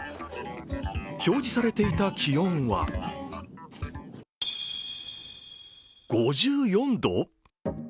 表示されていた気温は５４度？